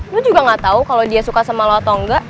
lu juga gak tau kalo dia suka sama lo atau enggak